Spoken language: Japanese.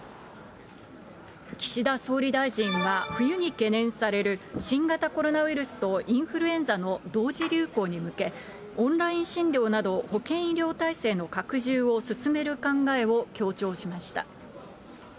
岸田総理大臣は、冬に懸念される、新型コロナウイルスとインフルエンザの同時流行に向け、オンライン診療など、保健医療体制の拡充を進める考えを強調しました。